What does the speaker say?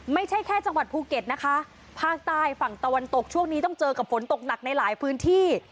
ไม่ใช่แค่จังหวัดภูเก็ตนะคะภาคใต้ฝั่งตะวันตกช่วงนี้ต้องเจอกับฝนตกหนักในหลายพื้นที่